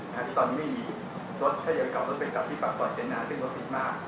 ที่ตอนนี้ไม่มีรถถ้าอยากกลับรถไปกลับที่ปั๊บสอยเจ็ดหนาซึ่งรถฟิกมาก